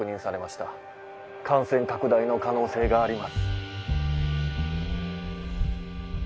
感染拡大の可能性があります。